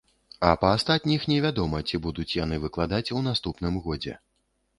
А па астатніх не вядома, ці будуць яны выкладаць у наступным годзе.